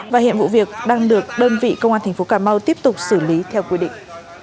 và hiện vụ việc đang được đơn vị công an thành phố cà mau tiếp tục xử lý theo quy định